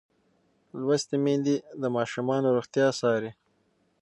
لوستې میندې د ماشوم روغتیا څاري.